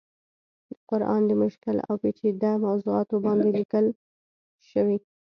د قرآن د مشکل او پيچيده موضوعاتو باندې ليکلی شوی